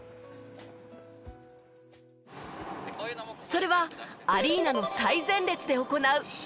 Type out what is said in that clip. それはアリーナの最前列で行う会場演出。